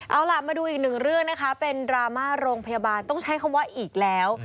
เอาล่ะมาดูอีกหนึ่งเรื่องนะคะเป็นดราม่าโรงพยาบาลต้องใช้คำว่าอีกแล้ว